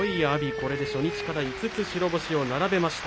これで初日から５つ、白星を並べました。